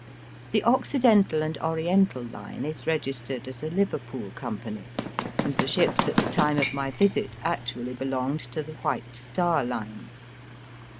The Occidental and Oriental Line is registered as a Liverpool company, and the ships at the time of my visit actually belonged to the White Star Line.